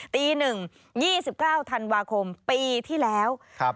ตี๑น๒๙ธันวาคมปีที่แล้ว